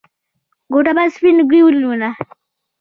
کوټه به سپين لوګي ونيوله.